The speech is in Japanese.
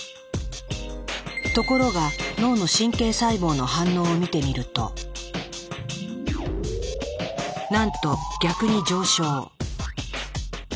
ところが脳の神経細胞の反応を見てみるとなんと逆に上昇。